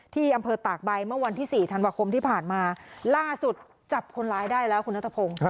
ที่อำเภอตากใบเมื่อวันที่๔ธันวาคมที่ผ่านมาล่าสุดจับคนร้ายได้แล้วคุณนัทพงศ์